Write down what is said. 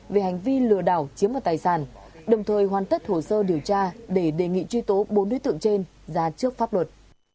về hành vi lừa đảo chiếm đoạt tài sản đồng thời hoàn tất hồ sơ điều tra để đề nghị truy tố bốn đối tượng trên ra trước pháp luật